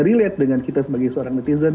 relate dengan kita sebagai seorang netizen